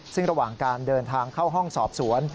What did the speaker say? ซึ่งระหว่างการเดินทางเข้าห้องสอบสวน